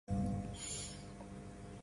No audio